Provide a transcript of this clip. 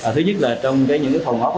thứ nhất là trong những phòng học